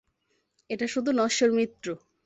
এটা শুধু নশ্বর মৃত্যু।